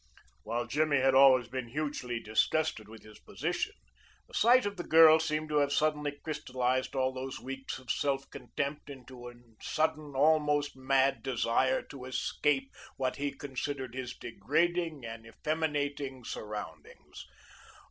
While Jimmy had always been hugely disgusted with his position, the sight of the girl seemed to have suddenly crystallized all those weeks of self contempt into a sudden almost mad desire to escape what he considered his degrading and effeminating surroundings.